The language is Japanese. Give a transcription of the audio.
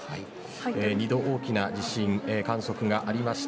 ２度大きな地震観測がありました